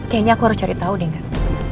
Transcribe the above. kayaknya aku harus cari tahu deh enggak